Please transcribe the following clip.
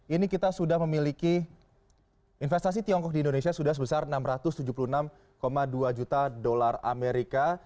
ini kita sudah memiliki investasi tiongkok di indonesia sudah sebesar enam ratus tujuh puluh enam dua juta dolar amerika